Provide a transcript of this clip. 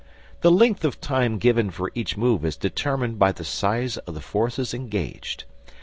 The length of time given for each move is determined by the size of the forces engaged.